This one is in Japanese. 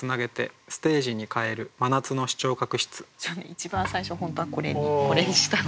一番最初本当はこれにしたの。